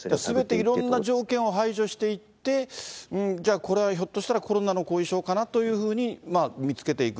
いろんな条件を排除していって、じゃあ、これはひょっとしたらコロナの後遺症かなというふうに見つけていく。